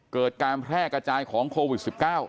การแพร่กระจายของโควิด๑๙